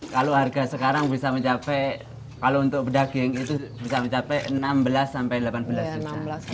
kalau harga sekarang bisa mencapai kalau untuk daging itu bisa mencapai enam belas sampai delapan belas juta